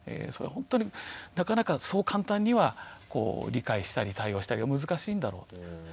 それはほんとになかなかそう簡単には理解したり対応したりが難しいんだろうと。